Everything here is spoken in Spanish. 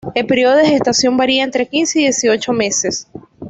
El periodo de gestación varía entre quince y dieciocho meses.